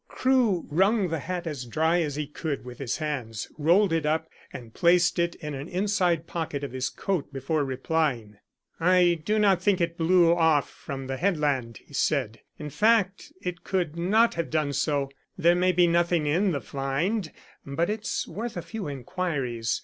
Crewe wrung the hat as dry as he could with his hands, rolled it up, and placed it in an inside pocket of his coat before replying. "I do not think it blew off from the headland," he said. "In fact, it couldn't have done so. There may be nothing in the find, but it's worth a few inquiries.